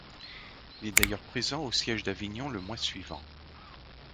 Il est d’ailleurs présent au siège d’Avignon le mois suivant.